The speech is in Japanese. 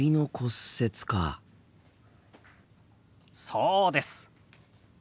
そうです。